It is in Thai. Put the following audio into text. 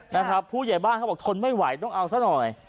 นะครับผู้ใหญ่บ้านเขาบอกทนไม่ไหวต้องเอาซะหน่อย